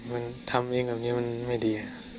ทำเป็นเรื่องแบบนี้มันไม่ดี